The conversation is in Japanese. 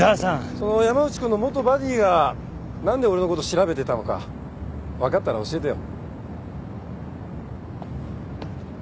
その山内君の元バディが何で俺のこと調べてたのか分かったら教えてよ。